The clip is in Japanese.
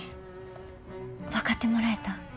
分かってもらえた？